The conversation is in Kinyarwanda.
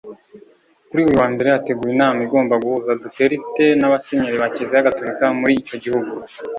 Kuri uyu wa Mbere hateguwe inama igomba guhuza Duterte n’abasenyeri ba Kiliziya Gatolika muri icyo gihugu